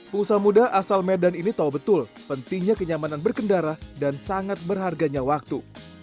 pengusaha muda asal medan ini tahu betul pentingnya kenyamanan berkendara dan sangat berharganya waktu